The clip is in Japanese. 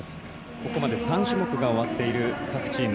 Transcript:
ここまで３種目が終わっている各チーム。